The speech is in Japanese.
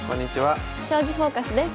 「将棋フォーカス」です。